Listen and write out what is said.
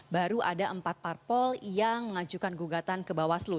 baru ada empat parpol yang mengajukan gugatan ke bawaslu